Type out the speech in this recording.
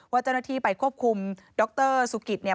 เจ้าหน้าที่ไปควบคุมดรสุกิตเนี่ย